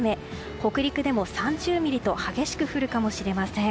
北陸でも３０ミリと激しく降るかもしれません。